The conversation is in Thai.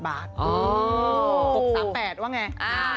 ๖๓๘บาทว่าไง